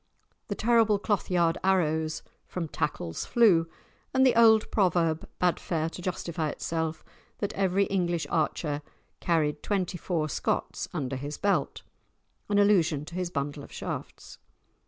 The terrible cloth yard arrows "from tackles flew," and the old proverb bade fair to justify itself, that every English archer carried twenty four Scots under his belt—an allusion to his bundle of shafts.